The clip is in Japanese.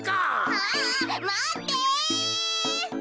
あまって！